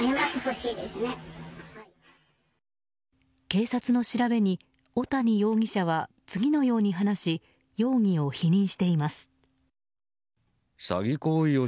警察の調べに、小谷容疑者は次のように話し容疑を否認しています。